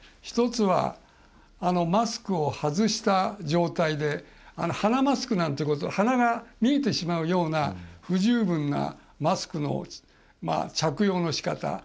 １つはマスクを外した状態で鼻マスクなんていう鼻が見えてしまうような不十分なマスクの着用のしかた。